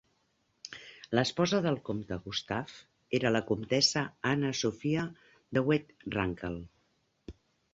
L'esposa del comte Gustav era la comtessa Anna Sofia de Wied-Runkel.